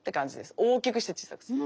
大きくして小さくする。